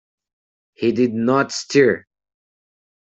He did not stir.